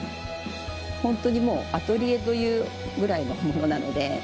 ホントにもうアトリエというぐらいのものなので。